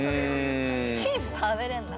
チーズ食べれるんだ。